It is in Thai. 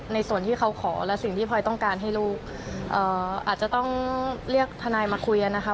ในส่วนที่เขาขอและสิ่งที่พลอยต้องการให้ลูกอาจจะต้องเรียกทนายมาคุยกันนะคะ